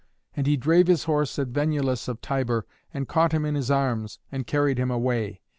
And he drave his horse at Venulus of Tibur, and caught him in his arms, and carried him away.